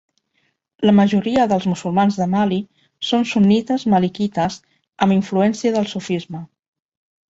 La majoria dels musulmans de Mali són sunnites malikites amb influència del sufisme.